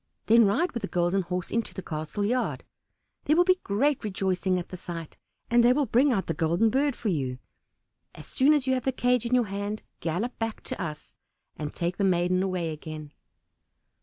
Then ride with the Golden Horse into the castle yard; there will be great rejoicing at the sight, and they will bring out the Golden Bird for you. As soon as you have the cage in your hand gallop back to us, and take the maiden away again."